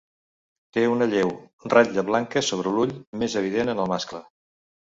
Té una lleu ratlla blanca sobre l'ull, més evident en el mascle.